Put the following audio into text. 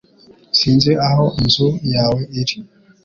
Sinzi aho inzu yawe iri